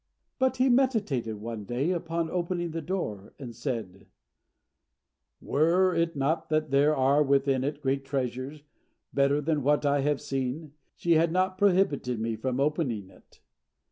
But he meditated one day upon opening the door, and said, "Were it not that there are within it great treasures, better than what I have seen, she had not prohibited me from opening it."